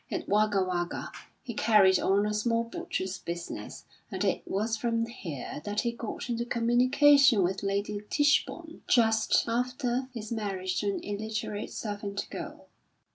At Wagga Wagga he carried on a small butcher's business, and it was from here that he got into communication with Lady Tichborne just after his marriage to an illiterate servant girl.